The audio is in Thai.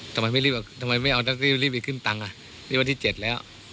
ทำไมไม่รีบทำไมไม่เอาแท็กซี่รีบไปขึ้นตังค์อ่ะนี่วันที่๗แล้ว